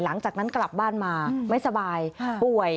หลังจากนั้นกลับบ้านมาไม่สบายป่วย